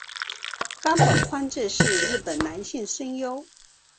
冈本宽志是日本男性声优。